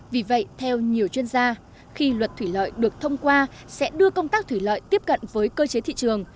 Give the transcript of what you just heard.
vì vậy theo nhiều chuyên gia khi luật thủy lợi được thông qua sẽ đưa công tác thủy lợi tiếp cận với cơ chế thị trường